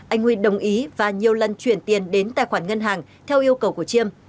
anh huy đồng ý và nhiều lần chuyển tiền đến tài khoản ngân hàng theo yêu cầu của chiêm